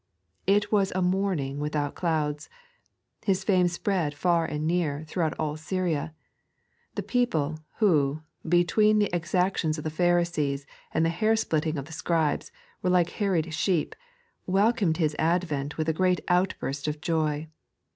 It was a morning without clouds. His fame spread far and near throughout all Syria. The people, who, between the exactions of the Pharisees and the hair splitting of the Scribes, were like harried sheep, welcomed Hia advent with a great outburst of joy.